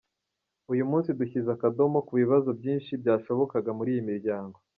Uyu munsi dushyize akadomo ku bibazo byinshi byashobokaga muri iyi miryango.